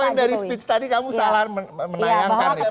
tapi poin dari speech tadi kamu salah menayangkan itu